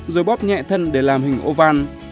rồi bóp nhẹ thân để làm hình ô van